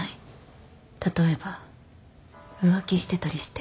例えば浮気してたりして。